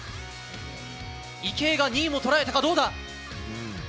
池江が２位も捉えたが、どうだ。